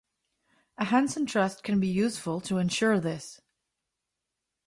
A Henson trust can be useful to ensure this.